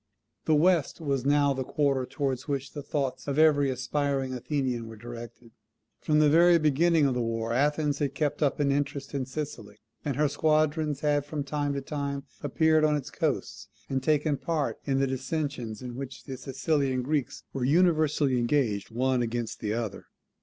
The West was now the quarter towards which the thoughts of every aspiring Athenian were directed. From the very beginning of the war Athens had kept up an interest in Sicily; and her squadrons had from time to time appeared on its coasts and taken part in the dissensions in which the Sicilian Greeks were universally engaged one against the other.